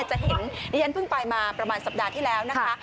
จะเห็นดิฉันเพิ่งไปมาประมาณสัปดาห์ที่แล้วนะคะ